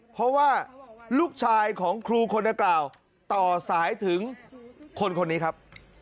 เพราะว่าลูกชายของครูคนดังกล่าวต่อสายถึงคนคนนี้ครับ